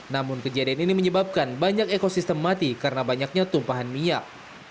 namun kejadian ini menyebabkan banyak ekosistem mati karena banyaknya tumpahan minyak